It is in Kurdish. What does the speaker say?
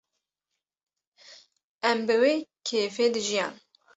Em bi wê kêfê dijiyan